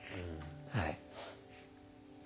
はい。